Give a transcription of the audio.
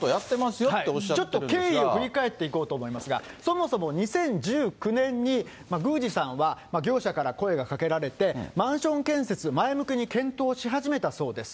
よっておっしゃっちょっと経緯を振り返っていこうと思いますが、そもそも２０１９年に、宮司さんは業者から声がかけられて、マンション建設前向きに検討し始めたそうです。